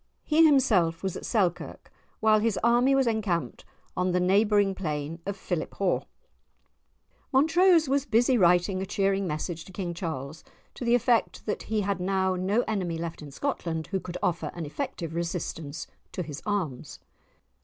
He himself was at Selkirk, while his army was encamped on the neighbouring plain of Philiphaugh. Montrose was busy writing a cheering message to King Charles to the effect that he had now no enemy left in Scotland who could offer an effective resistance to his arms.